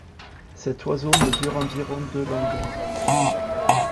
Cet oiseau mesure environ de longueur.